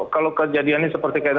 kalau kejadian ini seperti kaitannya